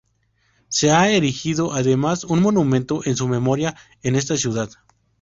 Se ha erigido además un monumento en su memoria en esta ciudad.